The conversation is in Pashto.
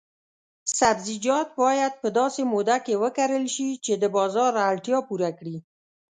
سبزیجات باید په داسې موده کې وکرل شي چې د بازار اړتیا پوره کړي.